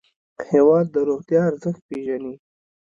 هېواد د روغتیا ارزښت پېژني.